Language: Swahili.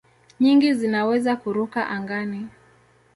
Nyingi zinaweza kuruka angani.